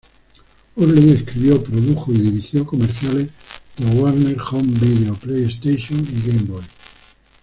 Hurley escribió, produjo y dirigió comerciales de Warner Home Video, PlayStation y Game Boy.